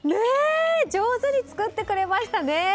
上手に作ってくれましたね！